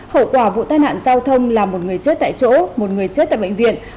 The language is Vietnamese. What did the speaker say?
hậu quả vụ tai nạn giao thông là một người chết tại chỗ một người chết tại bệnh viện